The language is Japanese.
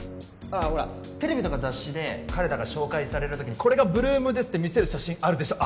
ああほらテレビとか雑誌で彼らが紹介される時にこれが８ＬＯＯＭですって見せる写真あるでしょ